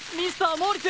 モーリス！